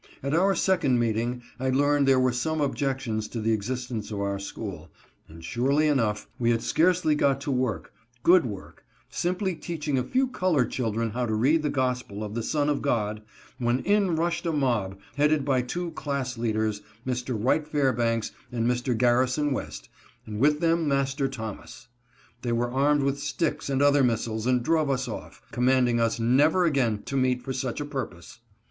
At our second meeting I learned there were some objections to the existence of our school ; and, surely enough, we had scarcely got to work — good work, simply teaching a few colored children how to read the gospel of the Son of God — when in rushed a mob, headed by two class leaders, Mr. Wright Fairbanks and Mr. Garri son West, and with them Master Thomas. They were armed with sticks and other missiles and drove us off, commanding us never again to meet for such a purpose.